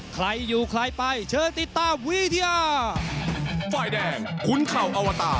ใครอยู่ใครไปเชิญติดตามวิทยา